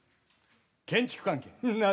建築関係？